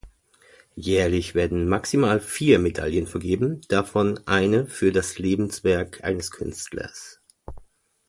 Jährlich werden maximal vier Medaillen vergeben, davon eine für das Lebenswerk eines Künstlers.